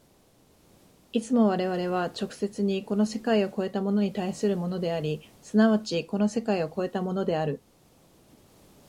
いつも我々は直接にこの世界を越えたものに対するものであり、即ちこの世界を越えたものである。